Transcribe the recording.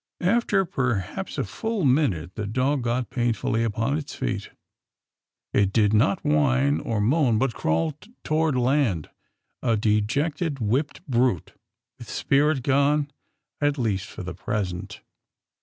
^' After perhaps a full minute the dog got pain fully upon its feet. It did not whine or moan, but crawled toward land, a dejected, whipped brute with spirit gone at least for the present.